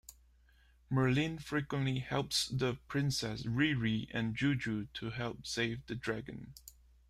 Merlin frequently helps the princess, Riri and Juju to help save the dragon.